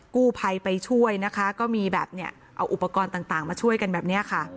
กู้ภัยไปช่วยนะคะก็มีแบบเนี่ยเอาอุปกรณ์ต่างมาช่วยกันแบบนี้ค่ะ